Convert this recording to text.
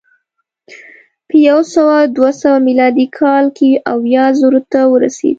په یو سوه دوه سوه میلادي کال کې اویا زرو ته ورسېد